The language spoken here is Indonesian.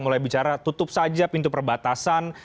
mulai bicara tutup saja pintu perbatasan